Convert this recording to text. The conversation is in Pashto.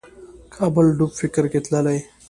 کابل ډوب فکر کې تللی